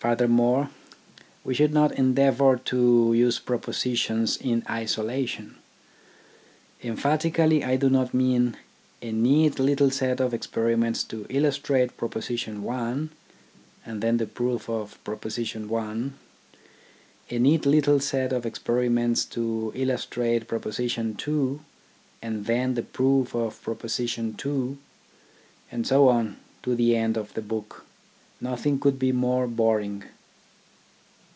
Furthermore, we should not endeavour to use propositions in isolation. Emphatically I do not mean, a neat little set of experiments to illustrate Proposition I and then the proof of Proposition I, a neat little set of experiments to illustrate Proposition II and then the proof of Proposition II, and so on to the end of the book. Nothing could be more boring.